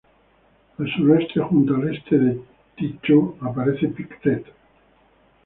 Al suroeste, justo al este de Tycho, aparece Pictet.